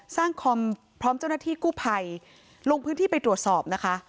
คอมพร้อมเจ้าหน้าที่กู้ภัยลงพื้นที่ไปตรวจสอบนะคะ